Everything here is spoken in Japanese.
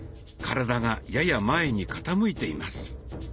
体がやや前に傾いています。